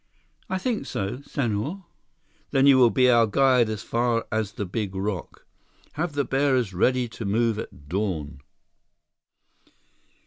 "I think so, Senhor." "Then you will be our guide as far as the big rock. Have the bearers ready to move at dawn."